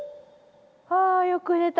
あよく寝た。